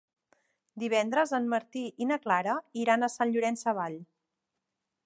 Divendres en Martí i na Clara iran a Sant Llorenç Savall.